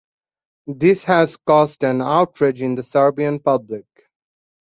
This has caused an outrage in the Serbian public.